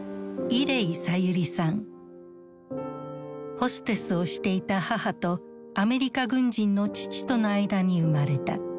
ホステスをしていた母とアメリカ軍人の父との間に生まれた。